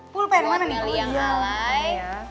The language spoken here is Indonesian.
buat meli yang alay